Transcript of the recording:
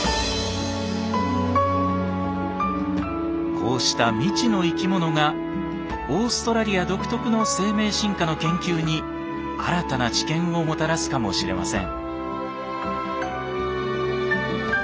こうした未知の生き物がオーストラリア独特の生命進化の研究に新たな知見をもたらすかもしれません。